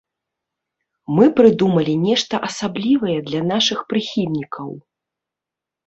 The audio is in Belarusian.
Мы прыдумалі нешта асаблівае для нашых прыхільнікаў!